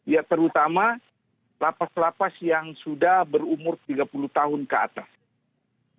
ya terutama lapas lapas yang sudah berumur tiga puluh tahun ke atas